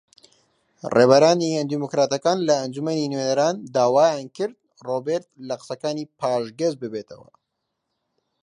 ڕێبەرانی دیموکراتەکان لە ئەنجومەنی نوێنەران داوایان کرد ڕۆبێرت لە قسەکانی پاشگەز ببێتەوە